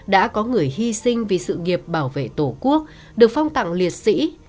đã có người hiểu đã có người hy sinh vì sự nghiệp bảo vệ tổ quốc được phong tặng liệt sĩ